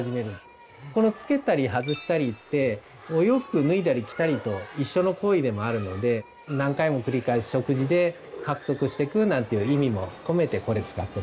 このつけたり外したりってお洋服を脱いだり着たりと一緒の行為でもあるので何回も繰り返す食事で獲得していくなんていう意味も込めてこれ使ってます。